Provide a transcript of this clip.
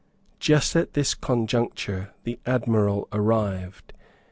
Just at this conjuncture the Admiral arrived.